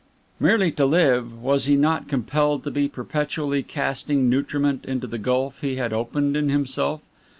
Merely to live, was he not compelled to be perpetually casting nutriment into the gulf he had opened in himself?